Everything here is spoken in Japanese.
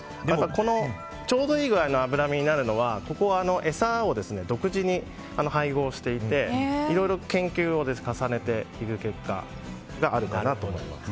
このちょうどいい具合の脂身になるのはここは餌を独自に配合していていろいろ研究を重ねた結果があるかなと思います。